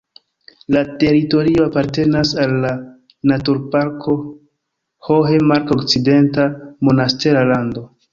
La teritorio apartenas al la naturparko Hohe Mark-Okcidenta Monastera Lando.